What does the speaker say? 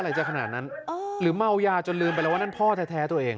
อะไรจะขนาดนั้นหรือเมายาจนลืมไปแล้วว่านั่นพ่อแท้ตัวเอง